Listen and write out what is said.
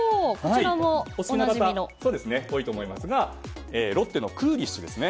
お好きな方が多いと思いますがロッテのクーリッシュですね。